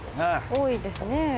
多いですね。